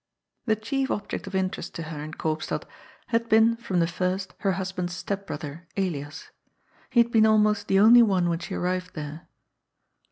The chief object of interest to her in Koopstad had been from the first her husband's step brother, Elias. He had been almost the only one when she arrived there.